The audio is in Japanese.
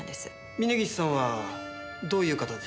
峰岸さんはどういう方でしたか？